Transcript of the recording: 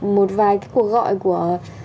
một vài cuộc gọi của